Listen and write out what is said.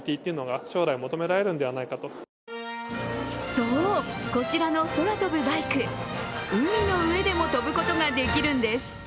そう、こちらの空飛ぶバイク海のうえでも飛ぶことができるんです。